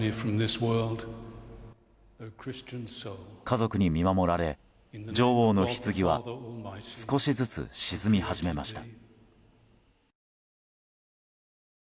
家族に見守られ女王のひつぎは少しずつ沈み始めました。